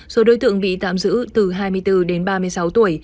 số đối tượng bị tạm giữ từ hai mươi bốn đến ba mươi sáu tuổi